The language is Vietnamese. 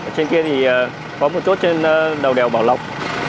trên kia thì có một chốt trên đầu đèo bảo lộc